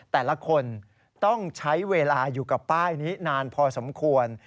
แต่ละคนต้องใช้เวลาอยู่กับป้ายนี้นานพอสมควร